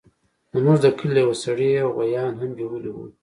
زموږ د کلي له يوه سړي يې غويان هم بيولي وو.